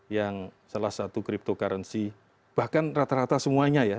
yang salah satu cryptocurrency bahkan rata rata semuanya ya